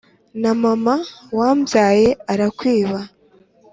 na mama wambyaye arakwiba